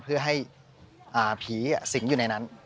เพื่อให้ผีสิงอยู่ในนั้น